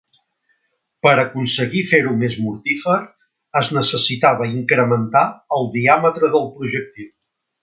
Per aconseguir fer-ho més mortífer es necessitava incrementar el diàmetre del projectil.